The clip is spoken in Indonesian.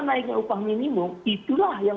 naiknya upah minimum itulah yang